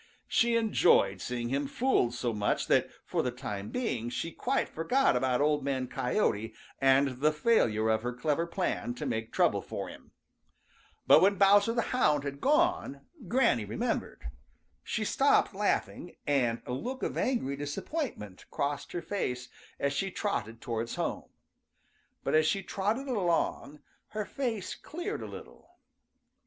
She enjoyed seeing him fooled so much that for the time being she quite forgot about Old Man Coyote and the failure of her clever plan to make trouble for him. But when Bowser the Hound had gone, Granny remembered. She stopped laughing, and a look of angry disappointment crossed her face as she trotted towards home. But as she trotted along, her face cleared a little.